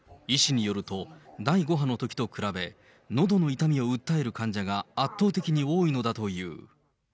医師によると、第５波のときと比べ、のどの痛みを訴える患者が圧倒的に多いのだという。